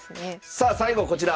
さあ最後こちら！